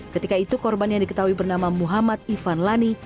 ketika itu korban yang diketahui bernama muhammad ivan lani